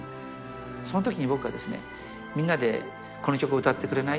そのときに僕がみんなでこの曲を歌ってくれない？